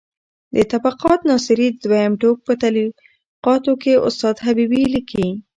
د طبقات ناصري د دویم ټوک په تعلیقاتو کې استاد حبیبي لیکي: